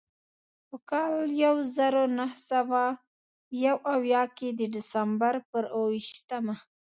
په کال یو زر نهه سوه یو اویا کې د ډسمبر پر اوه ویشتمه.